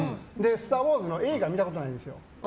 「スター・ウォーズ」の映画見たことないんですよ。